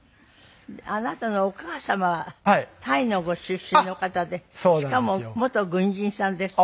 あなたのお母様はタイのご出身の方でしかも元軍人さんですって？